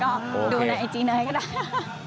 แล้วก็ดูในไอจีเนอร์ให้ก็ได้